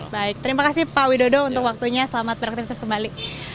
baik terima kasih pak widodo untuk waktunya selamat beraktivitas kembali